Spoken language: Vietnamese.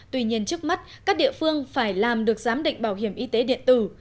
tuy nhiên trước mắt các địa phương phải làm được giám định bảo hiểm y tế điện tử